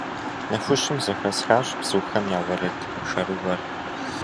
Нэхущым зэхэсхащ бзухэм я уэрэд шэрыуэр.